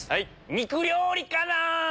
肉料理から！